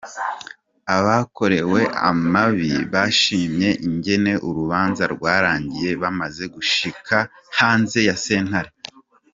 Abakorewe amabi bashimye ingene urubanza rwarangiye bamaze gushika hanze ya sentare.